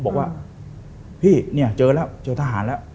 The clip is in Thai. บอกว่าเจอทหารแล้ว